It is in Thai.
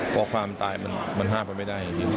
เพราะความตายมันห้ามไปไม่ได้จริง